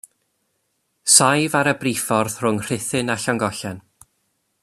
Saif ar y briffordd rhwng Rhuthun a Llangollen.